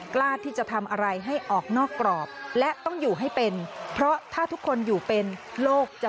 กับวิธีการทำงานทางการเมืองของพวกเรา